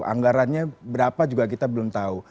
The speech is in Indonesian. anggarannya berapa juga kita belum tahu